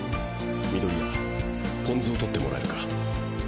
緑谷ポン酢を取ってもらえるか。